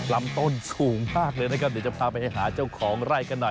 ลำต้นสูงมากเลยนะครับเดี๋ยวจะพาไปหาเจ้าของไร่กันหน่อย